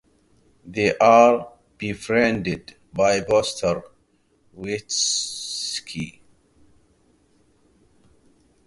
They are befriended by Buster Witwicky.